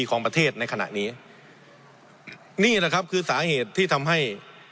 รอยละ๐๒๓ของประเทศในขณะนี้นี่แล้วครับคือศาเหตุที่ทำให้